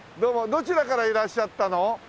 どちらからいらっしゃったの？